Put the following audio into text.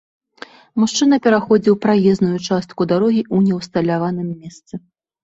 Мужчына пераходзіў праезную частку дарогі ў неўсталяваным месцы.